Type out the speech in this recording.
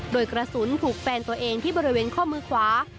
โดยกระสุนถูกแฟนตัวเองที่บริเวณข้อมือขวา